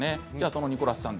ニコラスさん